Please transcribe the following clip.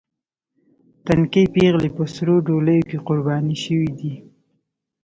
تنکۍ پېغلې په سرو ډولیو کې قرباني شوې دي.